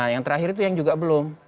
yang terakhir itu yang juga belum